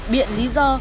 biện lý do